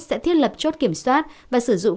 sẽ thiết lập chốt kiểm soát và sử dụng